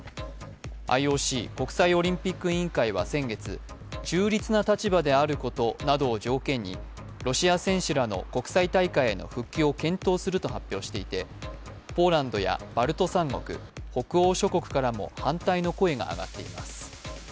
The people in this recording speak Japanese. ＩＯＣ＝国際オリンピック委員会は先月、中立な立場であることなどを条件にロシア選手らの国際大会への復帰を検討すると発表していてポーランドやバルト３国、北欧諸国からも反対の声が上がっています。